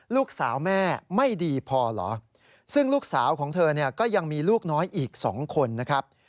ลูกสาวแม่ไม่ดีพอเหรอซึ่งลูกสาวของเธอเนี่ยก็ยังมีลูกน้อยอีก๒คนนะครับ